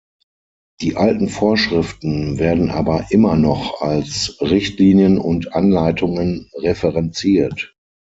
Die alten Vorschriften werden aber immer noch als Richtlinien und Anleitungen referenziert.